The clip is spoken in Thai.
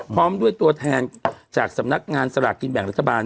พร้อมด้วยตัวแทนจากสำนักงานสลากกินแบ่งรัฐบาล